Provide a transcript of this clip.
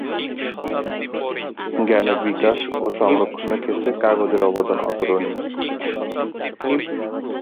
জ্ঞানের বিকাশ ও সংরক্ষণের ক্ষেত্রে কাগজের অবদান অতুলনীয়।